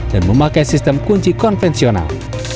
dan memakai sistem kunci konvensional